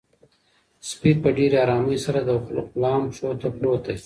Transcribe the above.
سپی په ډېر ارامۍ سره د غلام پښو ته پروت دی.